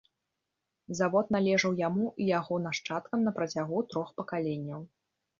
Завод належаў яму і яго нашчадкам на працягу трох пакаленняў.